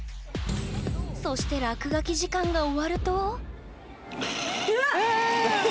そして落書き時間が終わるとうわあ！